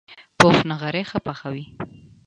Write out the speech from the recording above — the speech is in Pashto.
پوخ نغری ښه پخوي